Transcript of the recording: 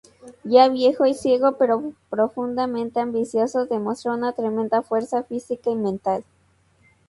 Ya viejo y ciego, pero profundamente ambicioso, demostró una tremenda fuerza física y mental.